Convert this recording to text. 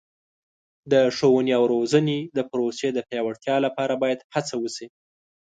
د ښوونې او روزنې د پروسې د پیاوړتیا لپاره باید هڅه وشي.